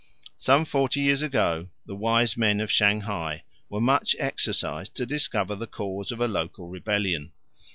Some forty years ago the wise men of Shanghai were much exercised to discover the cause of a local rebellion.